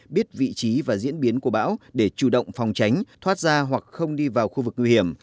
biết vị trí và diễn biến của bão để chủ động phòng tránh thoát ra hoặc không đi vào khu vực nguy hiểm